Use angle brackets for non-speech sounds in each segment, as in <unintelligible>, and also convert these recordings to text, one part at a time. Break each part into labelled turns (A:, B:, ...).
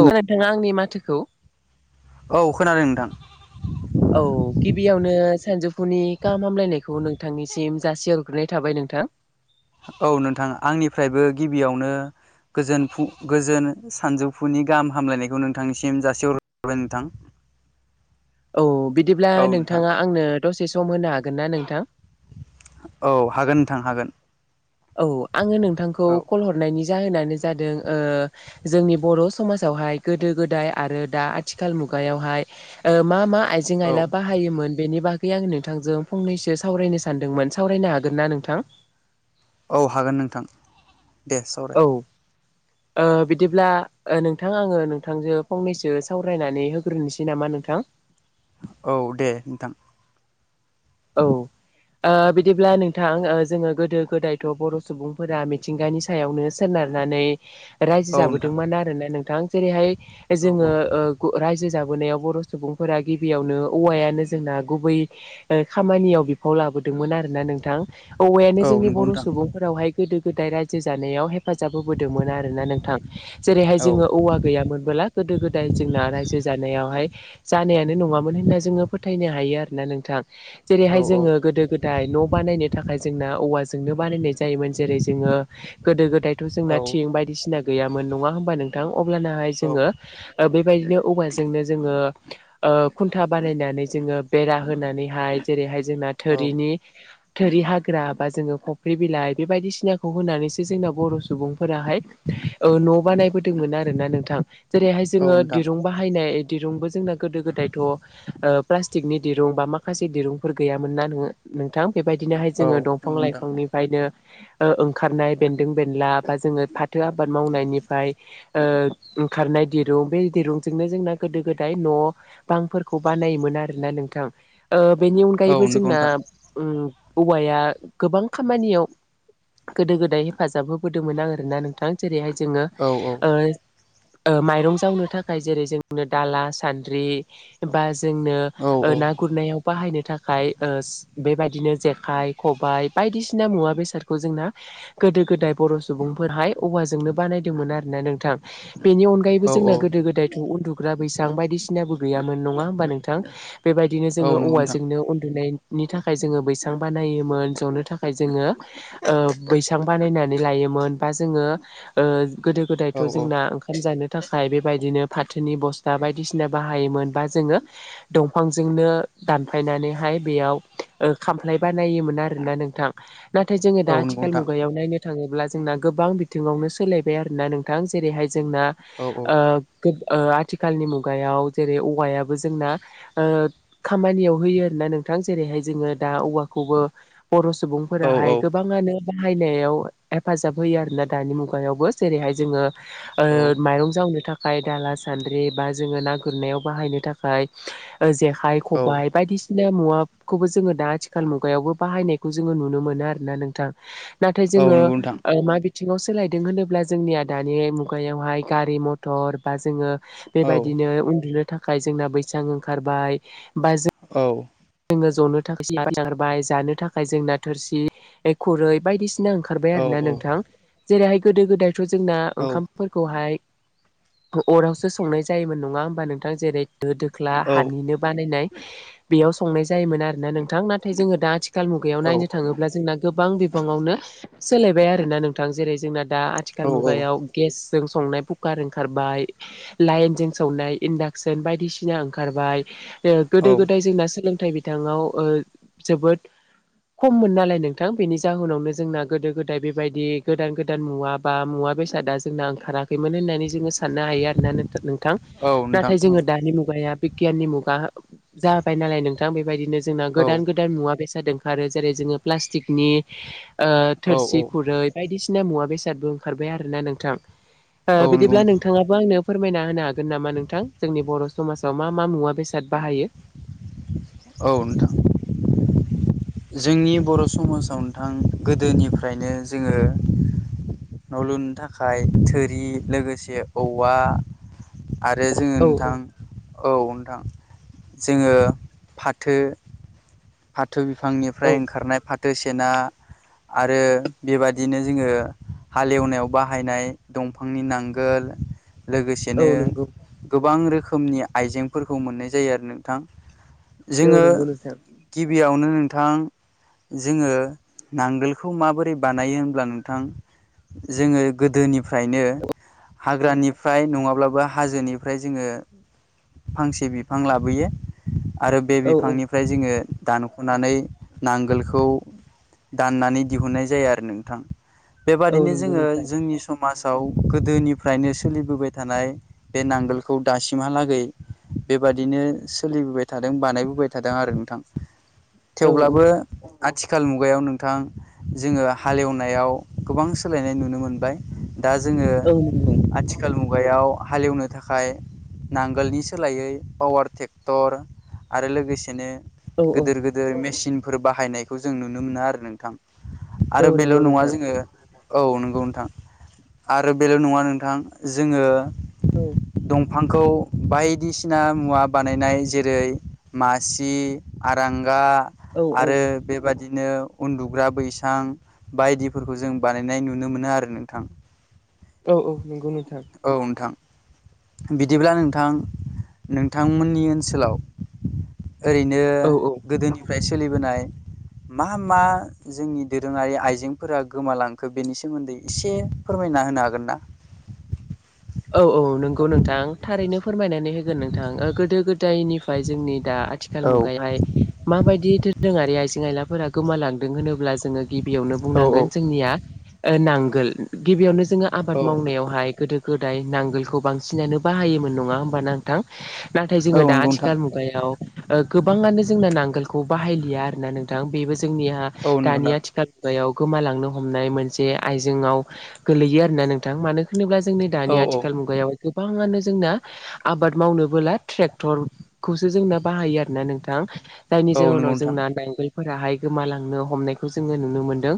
A: औ नोंथाङा आंनि माथोखौ <unintelligible>
B: औ खोनादों नोंथां।
A: औ गिबियावनो सानजौफुनि गाहाम हामलायनायखौ नोंथांनिसिम जासिहरग्रोनाय थाबाय नोंथां।
B: औ नोंथां आंनिफ्रायबो गिबियावनो गोजोन फुं गोजोन सानजौफुनि गाहाम हामलायनायखौ नोंथांनिसिम जासिहरबाय नोंथां। <inaudible> <inaudible>
A: औ बिदिब्ला
B: औ नोंथां
A: नोंथाङा आंनो दसे सम होनो हागोन ना नोंथां?
B: औ हागोन नोंथां हागोन।
A: औ आङो नोंथांखौ
B: औ
A: कल हरनायनि जाहोनानो जादों ओ जोंनि बर' समाजावहाय गोदो-गोदाय आरो दा आथिखाल मु गायावहाय मा मा
B: औ
A: आइजें-आइला बाहायोमोन बेनि बागै आं नोंथांजों फंनैसो सावरायनो सानदोंमोन। सावरायनो हागोन ना नोंथां?
B: औ हागोन नोंथां। दे सावराय।
A: औ ओ बिदिब्ला नोंथां आङो नोंथांजो फंनैसो सावरायनानै होग्रोनोसै नामा नों थां
B: औ दे नोंथां।
A: औ ओ बिदिब्ला नोंथां जोङो गोदो गोदायथ बर' सुबुंफोरा मिथिंगानि सायावनो सोना नारनानै रायजो
B: औ नोंथां
A: जाबोदोंमोन आरोना नोंथां। जेरैहाय
B: औ औ
A: जोङो ओ गो रायजो जाबो बोनायाव बर' सुबुंफोरा गिबियावनो औवायानो जोंना गुबै खामानियाव बिफाव लाबोदोंमोन आरो ना नोंथां। औवायानो
B: औ
A: जोंनि
B: नंगौ
A: बर'
B: नोंथां
A: सुबुंफोरावहाय गोदो- गोदाय रायजो जानायाव हे फाजाब होबोदोंमोन आरो ना नोंथां। जेरैहाय
B: औ
A: जोङो औवा गैयामोनबोला गोदो गोदाय जोंना रायजो जानायावहाय जानायानो नङामोन होनना जोङो फोथायनो हायो आरोना नोंथां।
B: औ
A: जेरैहाय जोङो गोदो गोदाय न' बानायनो थाखाय जोंना औवा जोंनो बानायनाय जायोमोन। जेरै जोङो गोदो-गोदायथ'
B: औ
A: जोंना थिं बायदिसिना गैयामोन नङा होनबा नोंथां अब्लानाहाय
B: औ
A: जोंङो बेबायदिनो औवा जोंनो जोंङो ओ खुन्था बानायनानै जोंङो बेरा होनानैहाय जेरैहाय जोंना थोरिनि थोरि हाग्रा बा जोङो फुख्रि बिलाइ बे बायदिसिनाखौ होनानैसो जोंना बर' सुबुंफोराहाय ओ न' बानायबोदोंमोन आरो ना नोंथां जेरैहाय
B: औ
A: जोङो
B: नोंथां
A: दिरुं बाहायनाय दिरुंबो जोंना गोदो गोदायथ' ओ प्लास्टिकनि दिरुं बा मा खासे दिरुंफोर गैयामोन नोना नोंथां बेबायदिनोहाय
B: औ
A: जोङो दंफां
B: नंगौ नोंथां
A: लाइफांनिफ्रायनो ओ ओंखारनाय बेन्दों बेनला बा जोङो फाथो आबाद मावनायनिफ्राय ओ ओंखारनाय दिरुं बे दिरुंजोंनो जोंना गोदो गोदाय न' बांफोरखौ बानायोमोन आरोना नोंथां। ओ बेनि
B: औ
A: अनगायैबो
B: नंगौ
A: जोंना
B: नोंथां
A: औवाया गोबां खामानियाव गोदो गोदाय हेफाजाब होबोदोंमोन आं आरोना नोंथां। जेरैहाय जोङो
B: औ औ
A: ओ ओ माइरं जावनो थाखाय जेरै जोंनो दाला सान्द्रि एबा जोंनो
B: औ
A: ना गुरनायाव बाहायनो थाखाय ओ बेबायदिनो जेखाइ खबाइ बायदिसिना मुवा बेसादखौ जोंना गोदो गोदाय बर सुबुंफोरहाय औवाजोंनो बानायदोंमोन आर ना नोंथां। बेनि अनगायैबो
B: औ
A: जोंना गोदो गोदायथ' उन्दुग्रा बैसां बायदिसिनाबो गैयामोन नङा होमबा नोंथां? बेबायदिनो
B: औ
A: जोङो
B: नंगौ नोंथां
A: औवाजोंनो उन्दुनाय नि थाखाय जोङो बैसां बानायोमोन। जनो थाखाय जोङो ओ बैसां बानायनानै ला योमोन बा जोंङो ओ गोदो
B: औ
A: गोदायथ
B: औ
A: जोंना ओंखाम जानो थाखाय बेबायदिनो फाथोनि बस्था बायदिसिना बाहायोमोन बा जोङो दंफांजोंनो दानफायनानैहाय बेयाव खामफ्लाय बानायोमोन आरोना नोंथां। नाथाय जोङो
B: औ
A: दा
B: नंगौ
A: आथिखाल
B: नोंथां
A: मुगायाव नायनो थाङोब्ला जोंना गोबां बिथिङावनो सोलायबाय आरो ना नोंथां। जेरैहाय जोंना
B: औ
A: ओ आथिखालनि मुगायाव जेरै औवायाबो जोंना। ओ खामानियाव होयो आरोना नोंथां जेरैहाय जोङो दा औवाखौबो बर'
B: औ औ
A: सुबुंफोराहाय गोबाङानो बाहायनायाव हेफाजाब होयो आरोना दानि मुगायावबो जेरैहाय जोङो
B: औ औ
A: ओ माइरं जावनो था खाय दाला सान्द्रि बा जोङो ना गुरनायाव बाहायनो थाखाय जो जेखाइ खबबाय बायदि सिना मुवाखौबो जोङो दा आथिखाल मुगायावबो बाहायनायखौ जोङो नुनो मोनो आरोना नोंथां। नाथाय
B: औ
A: जोङो
B: नंगौ नोंथां
A: ओ माबे थिङाव सोलायदों होनोब्ला जोंनिया दानि मुगायावहाय गारि मथर बा जोङो
B: औ
A: बेबायदिनो उन्दुनो थाखाय जोंना बैसां ओंखारबाय। बा
B: औ
A: जोङो ज'नो थाखाय सारबाय जानो थाखाय जोंना थोरसि खुरै बायदि सिना ओंखारबाय
B: औ
A: आरो ना नोंथां। जेरैहाय गोदो गोदायथ जोंना
B: औ
A: ओंखामफोरखौहाय अरावसो संनाय जायोमोन नङा होमबा नोंथां? जेरै दो दोख्ला
B: औ
A: हानिनो बानायनाय बेयाव संनाय जायोमोन आरोना नोंथां नाथाय जोङो दा आथि खाल मुगायाव नायनो थाङोब्ला जोंना गोबां बिबाङावनो सोलायबाय आरोना नोंथां जेरै जोंना दा आथिखाल
B: औ
A: मुगायाव गेस जों संनाय कुकार ओंखारबाय, लाऐनजों संनाय इनदाकसन बायदिसिना ओंखारबाय।
B: औ
A: गोदो गोदाय जोंना सोलोंथाइ बिाङाव ओ जोबोद खममोन नालाय नोंथां बेनि जाहोनावनो जोंना गोदो गोदाय बेबायदि गोदान गोदान मुवा बा मुवा मा बेसादा जोंना ओंखाराखैमोन होननानै जोंङो साननो हायो होननानै नोंथां।
B: औ नोंथां
A: नाथाय जोंङो दानि मुगाया बि गियाननि मुगा जाबाय नालाय नोंथां बेबायदिनो जोंना
B: औ
A: गोदान गोदान मुवा बेसाद <unintelligible> जेरै जोंओ‌ प्लासटिक नि
B: औ
A: थोसि खुरै बाइदि सि ना मुवा बेसादबो ओंखारबाय आरो ना नोंथां।
B: औ नंगौ
A: बिदिब्ला
B: नोंथां
A: नोंथाङाबो आंनो फोरमायना होनो हागोन नामा नोंथां जोंनि बर' समाजाव मा मा मुवा बेसाद बाहायो?
B: औ नोंथां। जोंनि बर' समाजाव नोंथां गोदोनिफ्रायनो जोंङो न' लुनो थाखाय थोरि लोगोसे औवा आरो जोंङो
A: औ औ
B: नोंथां औ नोंथां जोंङो फाथो फाथो
A: औ
B: बिफांनिफ्राय ओंखारनाय फाथो सेना आरो बेबादिनो जोंङो हालेवनायाव बाहायनाय दंफांनि नांगोल
A: औ
B: लोगोसेनो
A: नंगौ
B: गोबां रोखोमनि आइजेंफोरखौ मोननाय जायो आरो नोंथां।
A: औ
B: जोङो
A: नोंगौ नोंथां।
B: गिबियावनो नोंथां? जोङो नांगोलखौ माबोरै बानायो होनब्ला नोंथां जोंङो गोदोनिफ्रायनो हाग्रानिफ्राय नङाब्लाबो हाजोनिफ्राय जोंङो फांसे बिफां लाबोयो आरो बे
A: औ औ
B: बिफांनिफ्राय जोंङो दानख'नानै नांगोलखौ दाननानै दिहुननाय जाया आरो नोंथां
A: औ
B: बेबादिनो
A: नंगौ
B: जोंङो
A: नोंथां
B: जोंनि समाव समाजाव गोदोनिफ्रायनो सोलिबोबाय थानाय बे नांगोलखौ दासिमहालागै बेबादिनो सोलिबोबाय थादों बानायबोबाय थादों आरो नोंथां
A: औ औ
B: थेवब्लाबो आथिखाल मुगायाव नोंथां जोंङो हालेवनायाव गोबां सोलायनाय नुनो मोनबाय दा जोङो
A: औ नंगौ
B: आथिखाल मुगायाव हालेवनो थाखाय नांगोलनि सोलायै पावार ट्रेक्टर आरो लोगोसेनो
A: औ
B: गिदिर गोिदिर मेसिनफोर बाहायनायखौ जों नुनो मोना आरो नोंथां
A: औ
B: आरो बेल'
A: नंगौ
B: नङा
A: नोंथां
B: जोंङो औ नंगौ नोंथां आरो बेल' नङा नोंथां जोंङों
A: औ
B: दंफांखौ बायदिसिना मुवा बानायनाय जेरै मासि आरांगा
A: औ
B: आरो बेबादि बिदिनो उन्दुग्रा बैसां बायदिफोरखौ जों बानायनाय नुनो मोनो आरो नोंथां।
A: औ औ नंगौ नोंथां।
B: औ नोंथां बिदिब्ला नोंथां नोंथांमोननि ओनसोलाव ओरैनो
A: औ औ
B: गोदोनिफ्राय सोलिबोनाय मा मा जोंनि दोरोङारि आइजेंफोरा गोमालांखो बेनि सोमोन्दै एसे फोरमाय ना होनो हागोन ना?
A: औ औ नंगौ नोंथां थारैनो फोरमायनानै होगोन नोंथां गोदो गोदायनि जोंनि दा आथिखाल
B: औ
A: मुग मायदि आरि आइजें आइलाफोरा गोमालांदों होनोब्ला जोंङो गिबियावनो
B: औ
A: बुंनांगोन जोंनिया नांगोल गिबियावनो जोङो
B: औ
A: आबाद मावनायावहाय गोदो गोदाय नांगोलखौ बांसिनानो बाहायोमोन नङा होमब न नोंथां नाथाय जोङो दा
B: नंगौ नोंथां
A: आथिखाल मुगायाव ओ गोबाङानो जोंना नांगोलखौ बाहायलिया आरोना नोंथां बेबो जोंनिहा
B: औ नंगौ
A: दानि
B: नोंथां
A: आथिखाल याव गोमालांनो हमनाय मोनसे आइजेंआव गोलैयो आरोना नोंथां मानो होनोब्ला जोंनि
B: औ
A: दानि
B: औ
A: आथिखाल मुगायाव गोबाङानो जोंना आबाद मावनोबोला ट्रेक्टरखौसो जोंना बाहायो आरोना नोंथां जायनि
B: औ नंगौ
A: जाहोनाव
B: नोंथां
A: जोंना नांगोलफोराहाय गोमालांनो हमनायखौ जोङो नुनो मोनदों।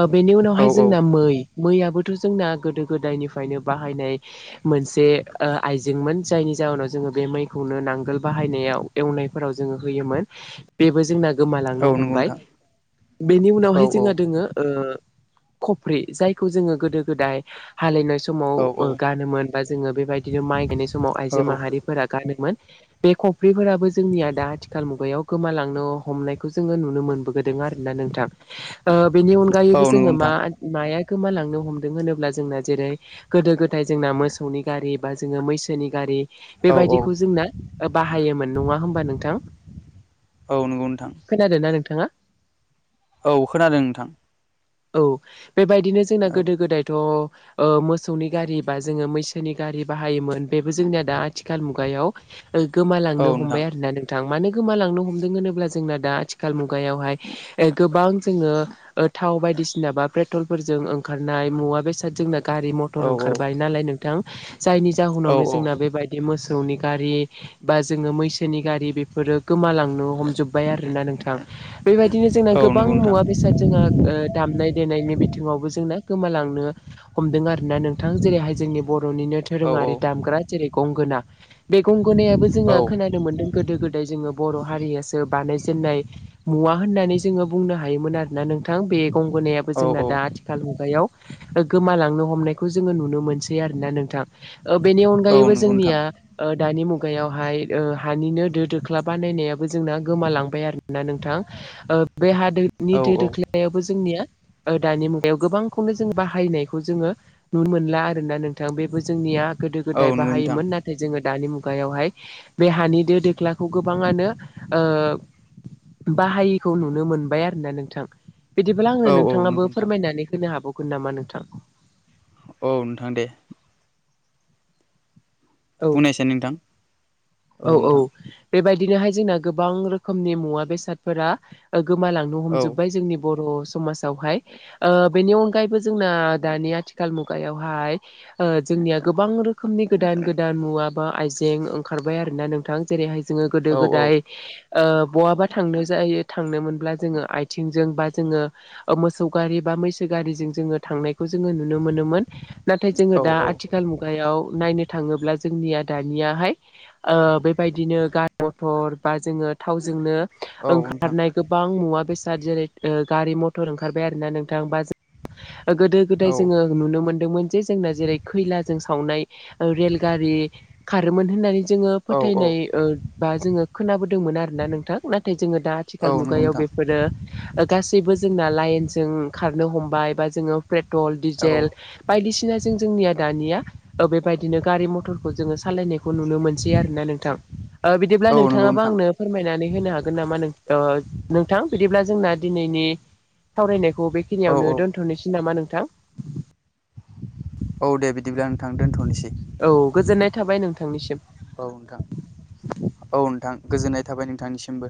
A: ओ बेनि
B: औ
A: उनावहाय
B: औ
A: जोंना मै मैयाबोथ' जोंना गोदो गोदायनिफ्राय नो बाहायनाय मोनसे ओ आइजेंमोन जायनि जउोनाव जोङो बे मैखौनो नांगोल बाहाय बाहायनायाव एवनाय फोराव जोङो होयोमोन बेबो जोंना
B: औ
A: गोमालांनो
B: नंगौ
A: हमबाय
B: नोंथां
A: बेनि
B: औ
A: उनावहाय
B: औ
A: जोंहा दोङो ओ कफ्रि जायखौ जोङो गोदो गोदाय हाललिनाय
B: औ औ
A: समाव गानोमोन बा जोङो बेबायदिनो माइ गायनाय समाव
B: औ
A: आइजो माहारिफोरा गानोमोन। बे खफ्रिफोराबो जोंनिया दा आथिखाल मुगायाव गोमालांनो हमनायखौ जोङो नुनो मोनबोदों, आरोना नोंथां ओ बेनि
B: औ
A: अनगायैबो
B: नंगौ
A: जोङो मा
B: नोंथां
A: माया गोमालांनो हमदों होनोब्ला जोंना जेरै गोदो गोदाय जोंना मोसौनि गारि बा जोङो मैसोनि गारि
B: औ औ
A: बेबायदिखौ जोंना बाहायोमोन नङा होमबा नोंथां
B: औ नंगौ नोंथां
A: खोनादों ना नोंथाङा
B: औ खोनादों नोंथां,
A: औ बेबायदिनो जोंना
B: औ
A: गोदो गोदायथ', ओ मोसौनि गारि बा जोङो मैसोनि गारि बाहायोमोन बेबो जोंनिया दा आथिखाल मुगायाव,
B: औ
A: गोमालांनो
B: नोंथां
A: हमबाय आरोना नोंथां, मानो गोमालांनो हमदों होनोब्ला जोंना दा आथिखाल मुगायावहाय गोबां जोङो ओ थाव बायदिसिना बा पेट्रलफोरजों ओंखारनाय मुवा बेसादजोंना, गारि
B: औ
A: मथर
B: औ
A: ओंखारबाय नालाय नोंथां जायनि
B: औ
A: जाहोनावनो जोंना बेबायदि मोसौ, मोसौनि गारि बा जोङो मैसोनि गारि बेफोरो गोमालांनो हमजोब्बाय आरो ना नोंथां, थां बैबायदिनो जोंना
B: औ
A: गोबां
B: नंगौ नोंथां
A: मुवा बेसाद जोंहा ओ दामनाय देनायनि बिथिङावबो जोंना गोमा लांनो हमदों आरोना नोंथां जेरैहाय जोंनि बर'निनो
B: औ औ
A: दोरोङारि दामग्रा जेरै गंगोना, बे गंगनायाबो
B: औ
A: जोङो खोनानो मोनदों गोदो गोदाय जोङो, बर' हारियासो बानायजेननाय मुवा होननानै जोङो बुंनो हायोमोन आरोना नोंथां बे गंगनायाबो
B: औ नंगौ
A: जोंना
B: नोंथां औ
A: दा आथिखाल मुगायाव गोमालांनो हमनायखौ जोङो नुनो मोनसै आरोना नोंथां बेनि
B: औ
A: अनगायैबो
B: नंगौ नोंथां
A: जोंनिया ओ दानि मुगायावहाय ओ हानिनो दो दोख्ला बानायनायाबो जोंना गोमालांबाय आरोना नोंथां ओ बे हादोनि
B: औ
A: दो दोख्लायावबो जोंनिया दानि मुगायाव गोबांखौनो जों बाहायनाय जोङो नुनो मोनला आरोना नोंथां बेबो जोंनिया गोदो गोदाय
B: औ नंगौ
A: बाहायोमोन नाथाय जोङो, दानि मुगायावहाय बे हानि दो दोख्लाखौ गोबाङानो ओ बाहायिखौ नुनो मोनबाय आरोना नोंथां, बिदिब्ला आंहो नोंथाङाबो
B: नोंथां
A: फोरमायनानै होनो हाबावगोन नामा नोंथां?
B: औ नोंथां दे
A: औ
B: बुंनायसाय नोंथां,
A: औ औ बेबायदिनोहाय जोंना गोबां रोखोमनि मुवा बेसादफोरा ओ गोमालांनो
B: औ
A: हमजोब्बाय जोंनि बर', समाजावहाय ओ बेनि अनगायैबो जोंना दानि आथिखाल मुगायावहाय ओ जोंनिया गोबां रोखोमनि गोदान गोदान मुवा बा आइजें ओंम खारबाय आरोना नोंथां जेरैहाय जोङो गोदो
B: औ
A: गोदाय ओ बहाबा थांनो जायो थांनो मोनब्ला जोङो आथिंजों बा जोङो मोसौ गारि बा मैसो गारिजों जोङो थांनाय जोङो नु नुनो मोनोमोन नाथाय
B: औ
A: जोङो दा
B: औ
A: आथिखाल मुगायाव नायनो थाङोब्ला जोंनिया दानियाहाय ओ बेबायदिनो गारि मथर बा जोङो थावजोंनो,
B: औ नोंथां
A: ओंखारनाय गोबां मुवा बेस दा जेरै ओ गारि मथर ओंखारबाय आरोना नोंथां बा गोदो
B: औ
A: गोदाय जोङो नुनो मोन्दोंमोन जे जोंना जेरै खैलाजों सावनाय रेलगारि खारोमोन होननानै, जोङो
B: औ औ
A: फोथायनाय बा जोङो खोनाबोदोंमोन आरोना नोंथां, नाथाय जोङो दा
B: औ
A: आथिखाल
B: नंगौ
A: मुगायाव
B: नोंथां
A: बे फोरो गासैबो जोंना लाइनजों खारनो हमबाय बा जोङो पेट्रल
B: औ
A: डिजेल बायदिसिना जों जोंनिया दानिया बेबायदिनो गारि मथरखौ जोङो सालायनायखौ नुनो मोनसै आरोना नोंथां, ओ बिदिब्ला
B: औ नंगौ
A: नोंथाङाबो
B: नोंथां
A: आंनो फोरमायनानै होनो हागोन नामा? नोंथां बिदिब्ला जोंना दिनैनि सावरायनायखौ
B: औ
A: बेखिनियावनो
B: औ
A: दोनथ'नोसै नामा नोंथां?
B: औ दे बिदिब्ला नोंथां दोनथ'नोसै।
A: औ गोजोननाय थाबाय नोंथांनिसिम
B: औ नोंथां औ नोंथां गोजोननाय- थाबाय नोंथांनिसिमबो।